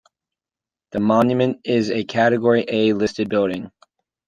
The monument is a category A listed building.